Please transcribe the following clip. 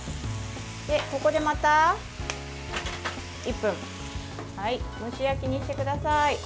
ここでまた１分蒸し焼きにしてください。